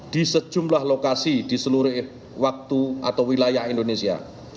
di sejumlah lokasi di seluruh waktu atau wilayah indonesia